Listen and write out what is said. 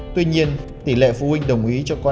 tuy nhiên tỉ lệ phụ huynh đồng ý cho con đi học trường